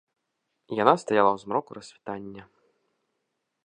Яна стаяла ў змроку рассвітання.